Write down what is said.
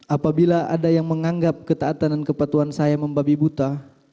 apabila ada yang menganggap ketaatan dan kepatuhan saya membabi buta